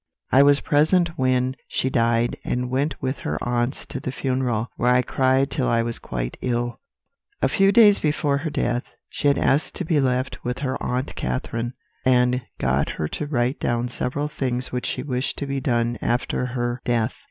"I was present when she died, and went with her aunts to the funeral, where I cried till I was quite ill. "A few days before her death, she had asked to be left with her Aunt Catherine, and got her to write down several things which she wished to be done after her death.